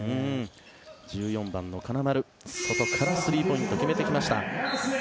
１４番の金丸外からスリーポイントを決めてきました。